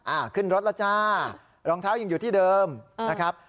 อ่าขึ้นรถแล้วจ้ารองเท้ายังอยู่ที่เดิมนะครับ